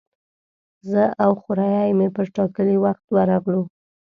زه او خوریی مې پر ټاکلي وخت ورغلو.